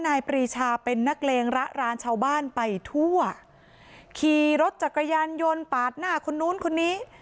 นายปรีชาเป็นนักเลงระรานชาวบ้านไปทั่วขี่รถจักรยานยนต์ปาดหน้าคนนู้นคนนี้